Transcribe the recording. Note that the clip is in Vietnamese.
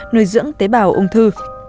nồi dưỡng tế bào ung thư